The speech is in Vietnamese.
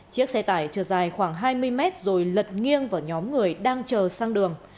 chiếc xe tải chờ dài khoảng hai mươi mét rồi lật nghiêng vào nhóm người đang chờ sang đường